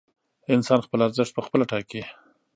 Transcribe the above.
انسان خپل ارزښت پخپله ټاکي.